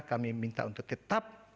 kami minta untuk tetap